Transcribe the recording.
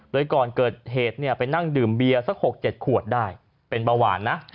โดยก่อนเกิดเหตุเนี่ยไปนั่งดื่มเบียร์สัก๖๗ขวดได้เป็นเบาหวานนะ